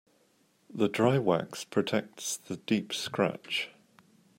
The dry wax protects the deep scratch.